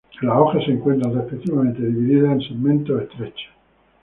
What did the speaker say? Las hojas se encuentran repetidamente divididas en segmentos estrechos.